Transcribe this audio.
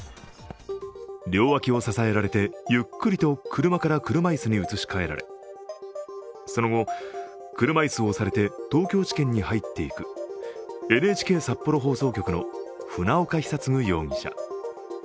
両脇を支えられてゆっくりと車から車椅子に移し替えられ、その後、車椅子を押されて東京地検に入っていくＮＨＫ札幌放送局の船岡久嗣容疑者。